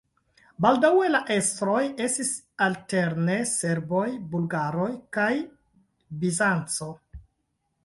Baldaŭe la estroj estis alterne serboj, bulgaroj kaj Bizanco.